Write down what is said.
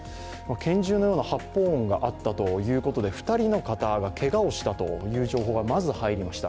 拳銃のような発砲音があったということで２人の方がけがをしたという情報がまず入りました。